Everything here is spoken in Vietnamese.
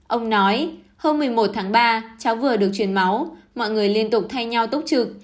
ông nói hôm một mươi một tháng ba cháu vừa được truyền máu mọi người liên tục thay nhau tốc trực